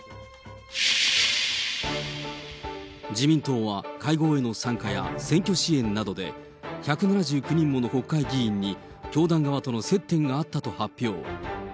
自民党は会合への参加や選挙支援などで、１７９人もの国会議員に教団側との接点があったと発表。